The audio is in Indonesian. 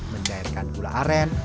mencairkan gula aren